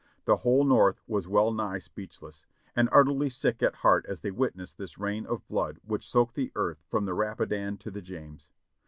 The whole North was well nigh speechless, and utterly sick at heart as they witnessed this rain of blood which soaked the earth from the Rapidan to the James.